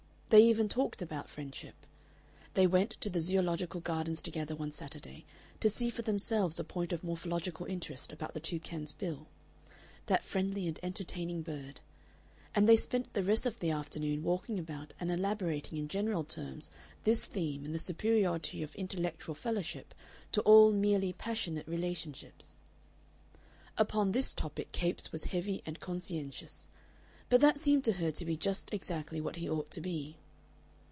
They even talked about friendship. They went to the Zoological Gardens together one Saturday to see for themselves a point of morphological interest about the toucan's bill that friendly and entertaining bird and they spent the rest of the afternoon walking about and elaborating in general terms this theme and the superiority of intellectual fellowship to all merely passionate relationships. Upon this topic Capes was heavy and conscientious, but that seemed to her to be just exactly what he ought to be.